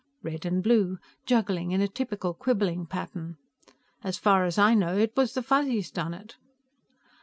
Red and blue, juggling in a typical quibbling pattern. "As far as I know, it was the Fuzzies done it."